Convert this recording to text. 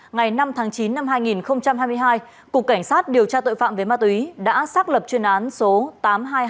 ngày năm tháng chín năm hai nghìn hai mươi hai cục cảnh sát điều tra tội phạm về ma túy đã xác lập chuyên án số tám trăm hai mươi hai